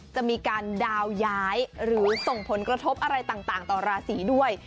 จะมีการดาวย้ายหรือส่งผลกระทบอะไรต่างต่อราศีด้วย